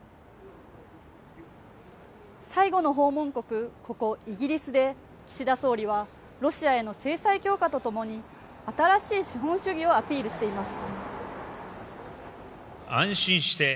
最後の訪問国、ここイギリスで岸田総理はロシアへの制裁強化とともに新しい資本主義をアピールしています。